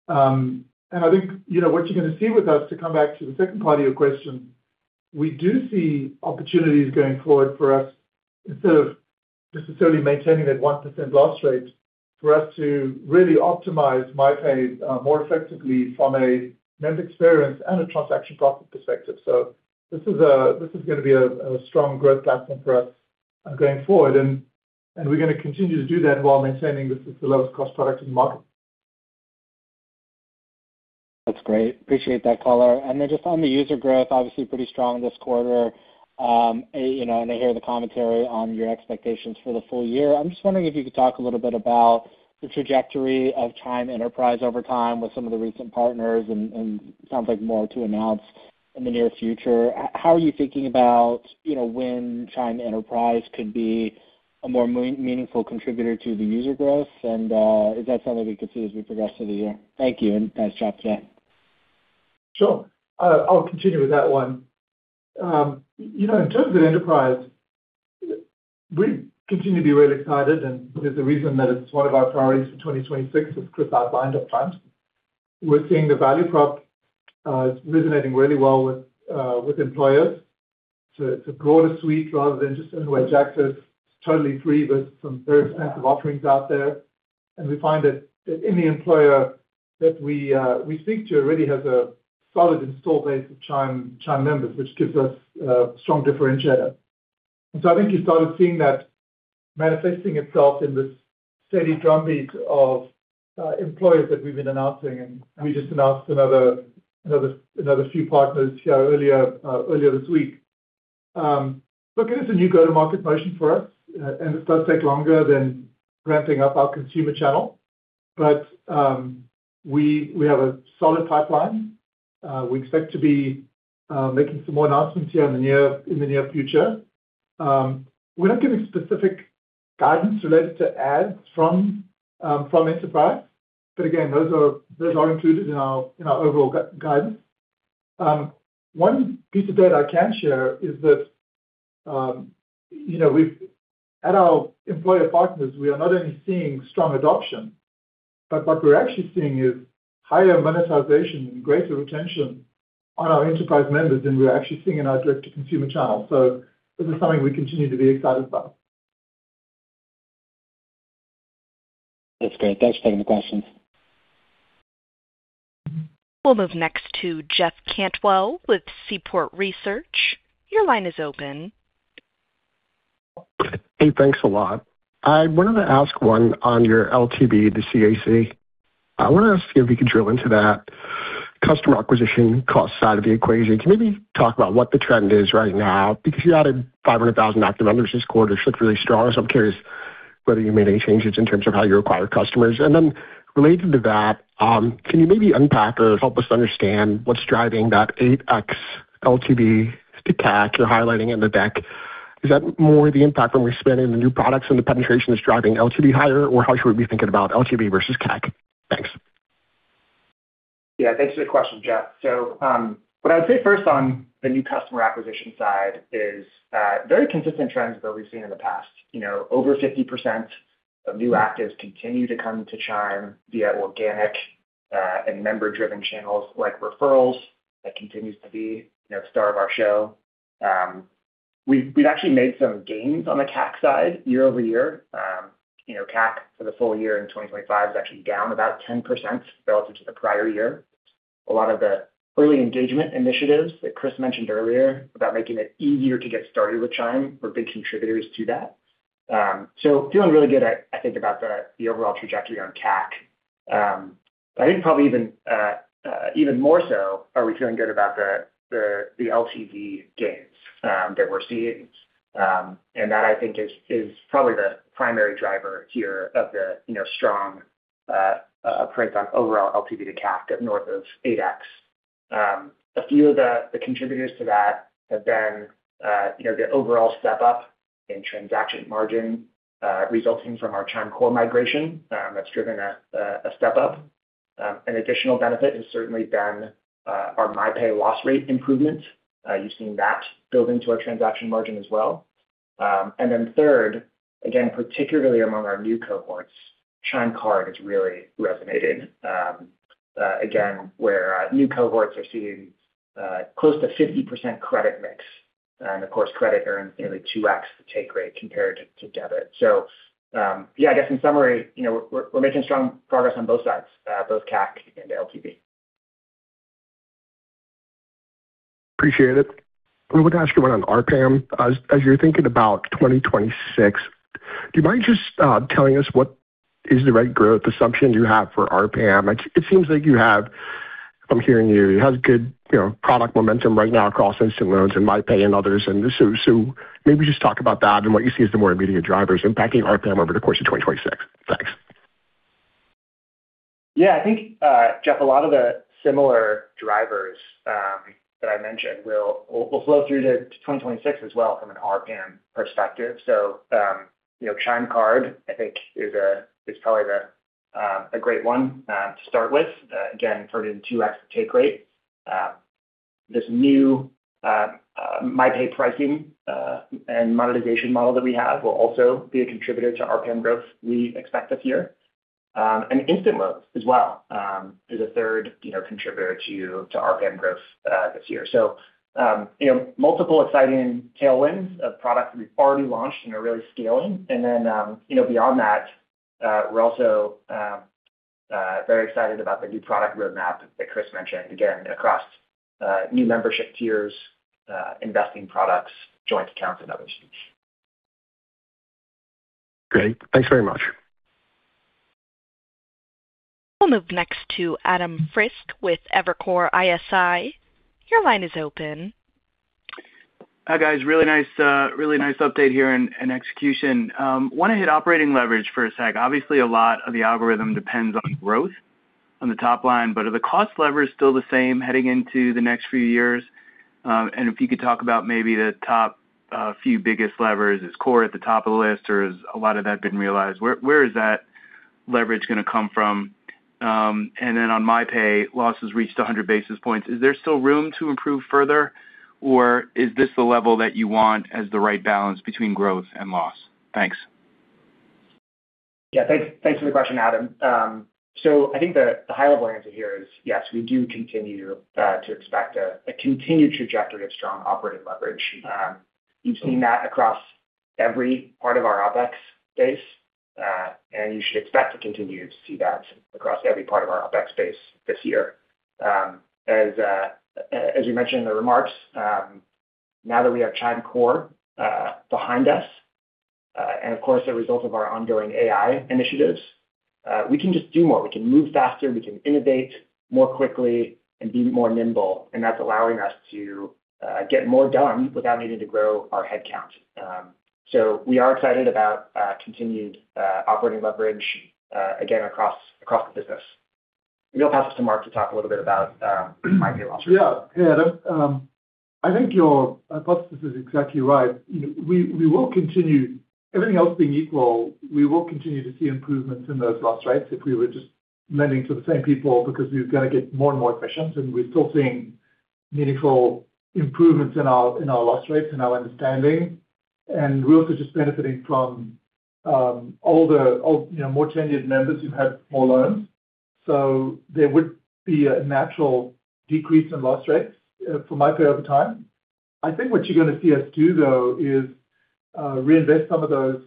I think, you know, what you're going to see with us, to come back to the second part of your question, we do see opportunities going forward for us, instead of necessarily maintaining that 1% loss rate, for us to really optimize MyPay more effectively from a net experience and a transaction profit perspective. This is going to be a strong growth platform for us going forward, and we're going to continue to do that while maintaining this as the lowest cost product in the market. That's great. Appreciate that color. Just on the user growth, obviously pretty strong this quarter. You know, I hear the commentary on your expectations for the full year. I'm just wondering if you could talk a little bit about the trajectory of Chime Enterprise over time with some of the recent partners and sounds like more to announce in the near future. How are you thinking about, you know, when Chime Enterprise could be a more meaningful contributor to the user growth? Is that something we could see as we progress through the year? Thank you. Nice job today. Sure. I'll continue with that one. You know, in terms of the enterprise, we continue to be really excited, and there's a reason that it's one of our priorities for 2026, as Chris outlined up front. We're seeing the value prop is resonating really well with employers to grow the suite rather than just anywhere access. It's totally free with some very expensive offerings out there. And we find that any employer that we speak to already has a solid install base of Chime members, which gives us a strong differentiator. So I think you started seeing that manifesting itself in this steady drumbeat of employers that we've been announcing, and we just announced another few partners here earlier this week. Look, it is a new go-to-market motion for us, and it does take longer than ramping up our consumer channel. We have a solid pipeline. We expect to be making some more announcements here in the near future. We're not giving specific guidance related to ads from enterprise, but again, those are included in our overall guidance. One piece of data I can share is that, you know, we've at our employer partners, we are not only seeing strong adoption, but what we're actually seeing is higher monetization and greater retention on our enterprise members than we're actually seeing in our direct-to-consumer channels. This is something we continue to be excited about. That's great. Thanks for the question. We'll move next to Jeff Cantwell with Seaport Research. Your line is open. Hey, thanks a lot. I wanted to ask one on your LTV, the CAC. I want to ask if you could drill into that customer acquisition cost side of the equation. Can you maybe talk about what the trend is right now? You added 500,000 active members this quarter, it looked really strong. I'm curious whether you made any changes in terms of how you acquire customers. Related to that, can you maybe unpack or help us understand what's driving that 8x LTV to CAC you're highlighting in the deck? Is that more the impact from we're spending the new products and the penetration is driving LTV higher, or how should we be thinking about LTV versus CAC? Thanks. Thanks for the question, Jeff. What I would say first on the new customer acquisition side is very consistent trends that we've seen in the past. You know, over 50% new actives continue to come to Chime via organic and member-driven channels, like referrals. That continues to be, you know, star of our show. We've actually made some gains on the CAC side year-over-year. You know, CAC for the full year in 2025 is actually down about 10% relative to the prior year. A lot of the early engagement initiatives that Chris mentioned earlier, about making it easier to get started with Chime, were big contributors to that. Feeling really good, I think, about the overall trajectory on CAC. I think probably even more so are we feeling good about the LTV gains that we're seeing. That, I think, is probably the primary driver here of the, strong print on overall LTV to CAC up north of 8x. A few of the contributors to that have been, the overall step up in transaction margin resulting from our Chime Core migration that's driven a step up. An additional benefit has certainly been our MyPay loss rate improvement. You've seen that build into our transaction margin as well. Third, again, particularly among our new cohorts, Chime Card has really resonated. Again, where new cohorts are seeing close to 50% credit mix, and of course, credit earns nearly 2x take rate compared to debit. Yeah, I guess in summary, you know, we're making strong progress on both sides, both CAC and LTV. Appreciate it. I wanted to ask you one on ARPAN. As you're thinking about 2026, do you mind just telling us what is the right growth assumption you have for ARPAN? It seems like you have, if I'm hearing you have good, you know, product momentum right now across Instant Loans and MyPay and others. Maybe just talk about that and what you see as the more immediate drivers impacting ARPAN over the course of 2026. Thanks. Yeah, I think, Jeff, a lot of the similar drivers that I mentioned will flow through to 2026 as well from an ARPAN perspective. You know, Chime Card, I think, is probably the a great one to start with. Again, for the 2x take rate, this new MyPay pricing and monetization model that we have will also be a contributor to ARPAN growth we expect this year. And Instant Loans as well is a third, you know, contributor to ARPAN growth this year. You know, multiple exciting tailwinds of products we've already launched and are really scaling. You know, beyond that, we're also very excited about the new product roadmap that Chris mentioned, again, across new membership tiers, investing products, joint accounts, and others. Great. Thanks very much. We'll move next to Adam Frisch with Evercore ISI. Your line is open. Hi, guys. Really nice update here and execution. Want to hit operating leverage for a sec. Obviously, a lot of the algorithm depends on growth on the top line, but are the cost levers still the same heading into the next few years? If you could talk about maybe the top few biggest levers. Is Core at the top of the list, or has a lot of that been realized? Where, where is that leverage going to come from? Then on MyPay, losses reached 100 basis points. Is there still room to improve further, or is this the level that you want as the right balance between growth and loss? Thanks. Yeah, thanks. Thanks for the question, Adam. I think the high-level answer here is, yes, we do continue to expect a continued trajectory of strong operating leverage. You've seen that across every part of our OpEx base, and you should expect to continue to see that across every part of our OpEx base this year. As you mentioned in the remarks, now that we have Chime Core behind us, and of course, the result of our ongoing AI initiatives, we can just do more. We can move faster, we can innovate more quickly and be more nimble, and that's allowing us to get more done without needing to grow our headcount. We are excited about continued operating leverage again, across the business. I'll pass it to Mark to talk a little bit about MyPay loss. Yeah. Hey, Adam. I think your hypothesis is exactly right. Everything else being equal, we will continue to see improvements in those loss rates if we were just lending to the same people, because we're going to get more and more efficient, we're still seeing meaningful improvements in our loss rates and our understanding. We're also just benefiting from older, you know, more tenured members who've had more loans. There would be a natural decrease in loss rates for MyPay over time. I think what you're going to see us do, though, is reinvest some of those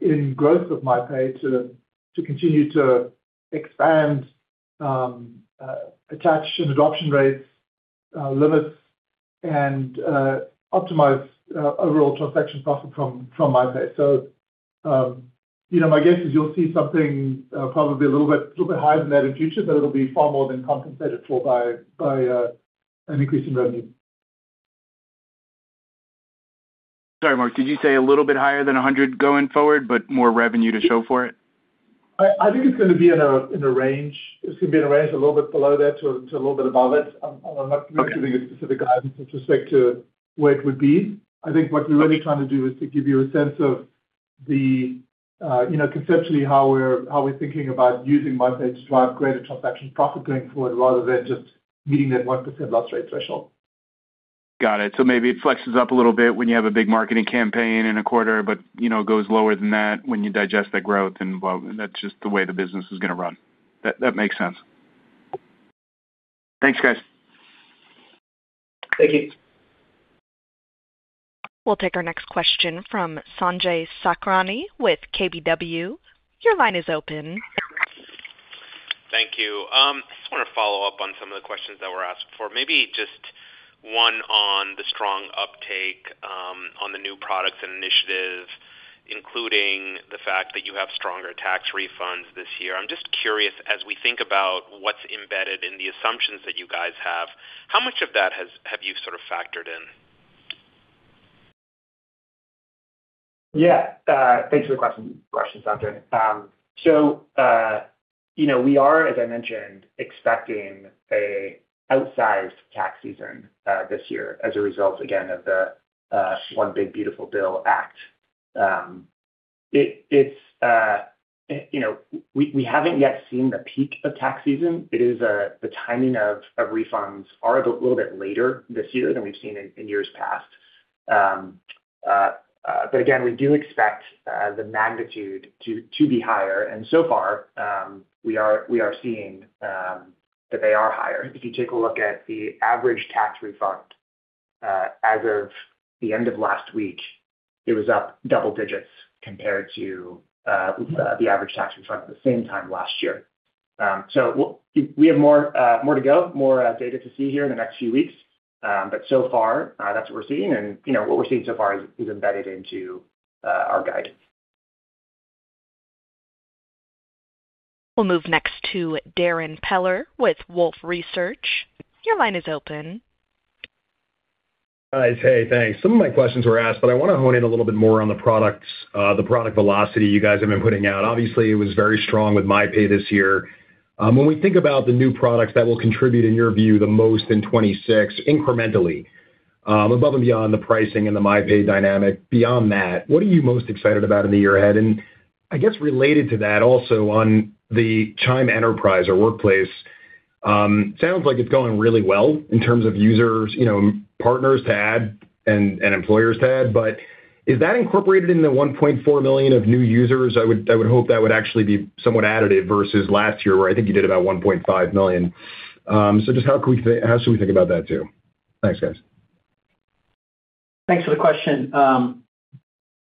in growth of MyPay to continue to expand attach and adoption rates, limits and optimize overall transaction profit from MyPay. You know, my guess is you'll see something, probably a little bit higher than that in future, but it'll be far more than compensated for by an increase in revenue. Mark, did you say a little bit higher than 100 going forward, but more revenue to show for it? I think it's going to be in a range. It's going to be in a range a little bit below that to a little bit above it. I'm not giving you specific guidance with respect to where it would be. I think what we're really trying to do is to give you a sense of the, you know, conceptually, how we're thinking about using MyPay to drive greater transaction profit going forward, rather than just meeting that 1% loss rate threshold. Got it. Maybe it flexes up a little bit when you have a big marketing campaign in a quarter, but, you know, goes lower than that when you digest that growth, and well, that's just the way the business is going to run. That makes sense. Thanks, guys. Thank you. We'll take our next question from Sanjay Sakhrani with KBW. Your line is open. Thank you. I just want to follow up on some of the questions that were asked before. Maybe just one on the strong uptake on the new products and initiatives, including the fact that you have stronger CAC refunds this year. I'm just curious, as we think about what's embedded in the assumptions that you guys have, how much of that have you sort of factored in? Yeah, thanks for the question, Sanjay. You know, we are, as I mentioned, expecting a outsized CAC season this year as a result, again, of the One Big Beautiful Bill Act. It's, you know, we haven't yet seen the peak of CAC season. It is the timing of refunds are a little bit later this year than we've seen in years past. Again, we do expect the magnitude to be higher, and so far, we are seeing that they are higher. If you take a look at the average CAC refund, as of the end of last week, it was up double digits compared to the average CAC refund at the same time last year. We'll... We have more to go, more data to see here in the next few weeks. So far, that's what we're seeing. You know, what we're seeing so far is embedded into our guide. We'll move next to Darrin Peller with Wolfe Research. Your line is open. Hi. Hey, thanks. Some of my questions were asked, but I want to hone in a little bit more on the products, the product velocity you guys have been putting out. Obviously, it was very strong with MyPay this year. When we think about the new products that will contribute, in your view, the most in 2026, incrementally, above and beyond the pricing and the MyPay dynamic. Beyond that, what are you most excited about in the year ahead? I guess related to that also on the Chime Enterprise or workplace, sounds like it's going really well in terms of users, you know, partners to add and employers to add, but is that incorporated in the $1.4 million of new users? I would hope that would actually be somewhat additive versus last year, where I think you did about $1.5 million. Just how can we, how should we think about that, too? Thanks, guys. Thanks for the question.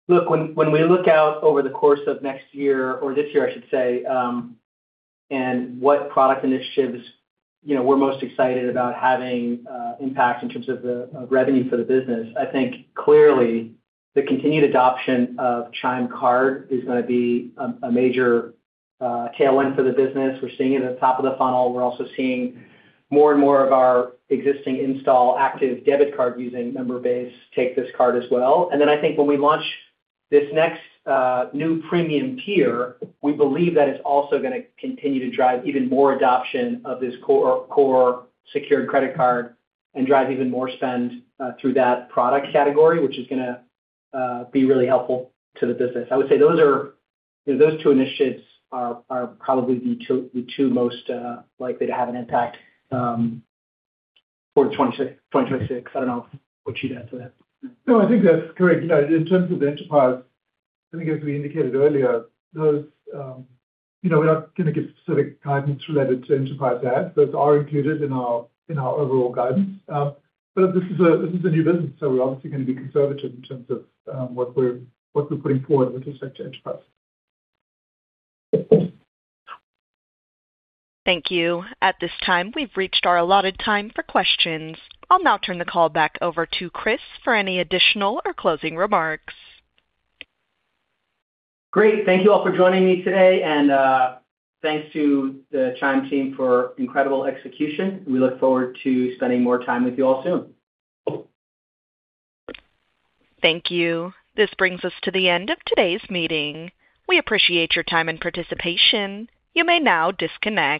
look, when we look out over the course of next year, or this year, I should say, and what product initiatives, you know, we're most excited about having impact in terms of the revenue for the business. I think clearly the continued adoption of Chime Card is going to be a major tailwind for the business. We're seeing it at the top of the funnel. We're also seeing more and more of our existing install active debit card-using member base take this card as well. Then I think when we launch this next new premium tier, we believe that it's also going to continue to drive even more adoption of this core secured credit card and drive even more spend through that product category, which is going to be really helpful to the business. I would say those two initiatives are probably the two most likely to have an impact for 2026. I don't know what you'd add to that. I think that's correct. You know, in terms of the enterprise, I think as we indicated earlier, those, you know, we're not going to give specific guidance related to enterprise adds. Those are included in our, in our overall guidance. This is a new business, we're obviously going to be conservative in terms of what we're putting forward with respect to enterprise. Thank you. At this time, we've reached our allotted time for questions. I'll now turn the call back over to Chris for any additional or closing remarks. Great. Thank you all for joining me today, and, thanks to the Chime team for incredible execution. We look forward to spending more time with you all soon. Thank you. This brings us to the end of today's meeting. We appreciate your time and participation. You may now disconnect.